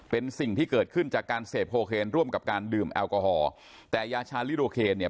เป็นสิ่งที่เกิดขึ้นจากการเสพโคเคนร่วมกับการดื่มแอลกอฮอล์แต่ยาชาลิโรเคนเนี่ย